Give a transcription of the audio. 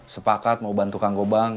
sepakat mau bantu kang gobang